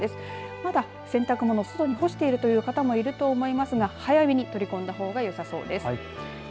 まだ、洗濯物外に干している方もいると思いますが早めに取り込んだほうがよさそうです。